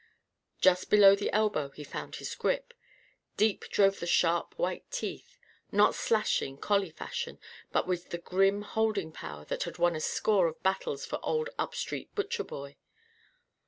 Just below the elbow he found his grip. Deep drove the sharp white teeth; not slashing, collie fashion, but with the grim holding power that had won a score of battles for old Upstreet Butcherboy.